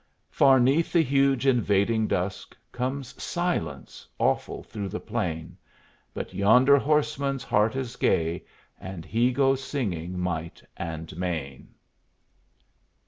Far 'neath the huge invading dusk Comes Silence awful through the plain; But yonder horseman's heart is gay, And he goes singing might and main.